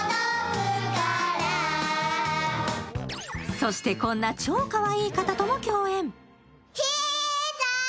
そして、こんな超かわいい方とも共演。